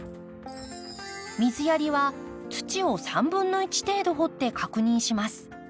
水やりは土を３分の１程度掘って確認します。